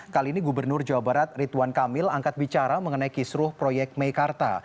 kali ini gubernur jawa barat rituan kamil angkat bicara mengenai kisruh proyek meikarta